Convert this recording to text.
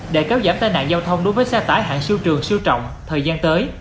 để kéo giảm tai nạn giao thông đối với xe tải hạng siêu trường siêu trọng thời gian tới